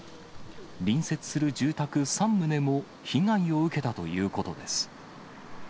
隣接する住宅３棟も被害を受けたということです。